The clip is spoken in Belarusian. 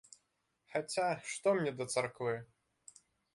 Хаця, што мне да царквы?